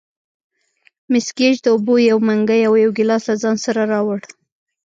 مس ګېج د اوبو یو منګی او یو ګیلاس له ځان سره راوړ.